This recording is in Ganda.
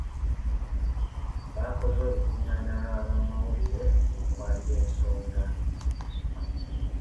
Baakoze olukungaana lw'abamawulire okwanja ensonga.